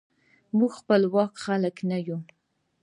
موږ خپواک خلک نه یو.